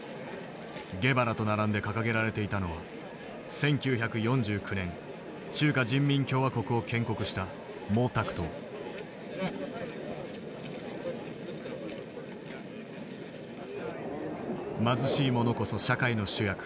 ゲバラと並んで掲げられていたのは１９４９年中華人民共和国を建国した貧しい者こそ社会の主役。